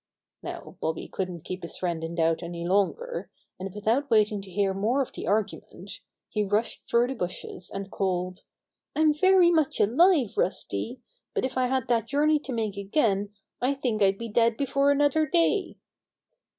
Now Bobby couldn't keep his friend in doubt any longer, and without waiting to hear more of the argument, he rushed through the bushes, and called: "I'm very much alive. Rusty. But if I had that journey to make again, I think I'd be dead before another day."